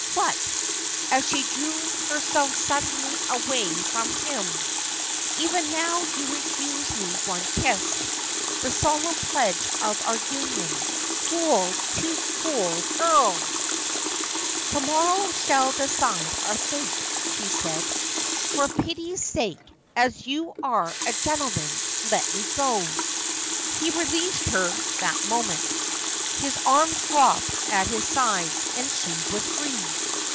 What ?' as she drew herself suddenly away from him ;' even now you refuse me one kiss — the solemn pledge of our union ; cruel, too cruel girl !' 'To morrow shall decide our fate,' she said. 'For pity's sake, as you are a gentleman, let me go.' He released her that moment. His arms dropped at his sides, and she was free.